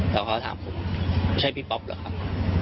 แล้วเขาถามผมใช่พี่ป๊อปเหรอครับ